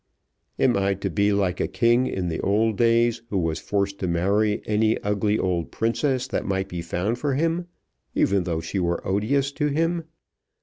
"Am I to be like a king in the old days, who was forced to marry any ugly old princess that might be found for him, even though she were odious to him?